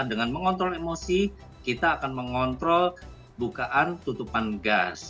dengan mengontrol emosi kita akan mengontrol bukaan tutupan gas